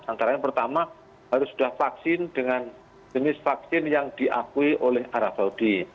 antara yang pertama harus sudah vaksin dengan jenis vaksin yang diakui oleh arab saudi